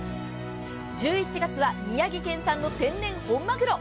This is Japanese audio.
１１月は宮城県産の天然本まぐろ。